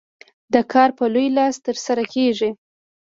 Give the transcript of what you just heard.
دا کار په لوی لاس ترسره کېږي.